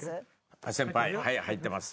先輩はい入ってます。